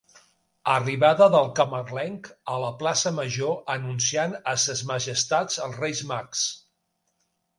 Arribada del camarlenc a la Plaça Major anunciant a Ses Majestats els Reis Mags.